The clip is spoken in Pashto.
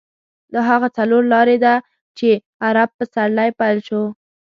دا هغه څلور لارې ده چې عرب پسرلی پیل شو.